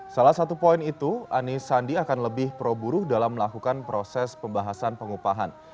salah satu poin itu anis sandi akan lebih pro buruh dalam melakukan proses pembahasan pengupahan